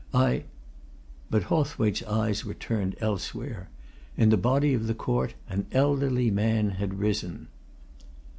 "I " But Hawthwaite's eyes were turned elsewhere. In the body of the court an elderly man had risen.